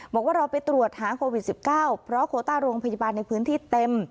บอกว่าเราไปตรวจหาโควิด๑๙เพราะโคต้าโรงพยาบาลในพื้นที่เต็ม